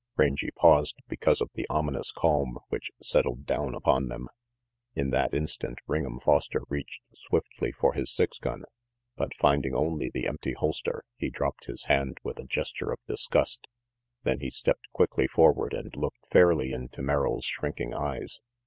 Rangy paused because of the ominous calm which settled down upon them. In that instant, Ring'em Foster reached swiftly for his six gun, but finding only the empty holster, he dropped his hand with a gesture of disgust. Then he stepped quickly forward and looked fairly into Merrill's shrinking eyes.